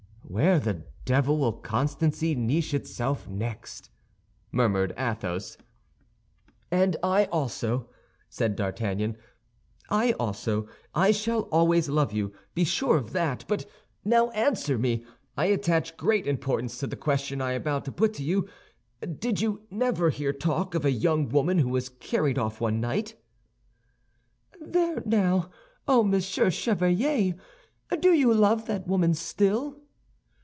"Where the devil will constancy niche itself next?" murmured Athos. "And I, also," said D'Artagnan, "I also. I shall always love you; be sure of that. But now answer me. I attach great importance to the question I am about to put to you. Did you never hear talk of a young woman who was carried off one night?" "There, now! Oh, Monsieur Chevalier, do you love that woman still?"